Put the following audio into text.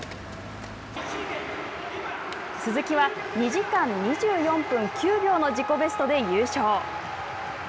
鈴木は２時間２４分９秒の自己ベストで優勝。